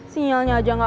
sinyalnya aja gak ada